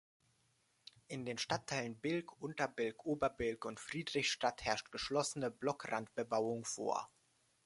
In den Stadtteilen Bilk, Unterbilk, Oberbilk und Friedrichstadt herrscht geschlossene Blockrandbebauung vor.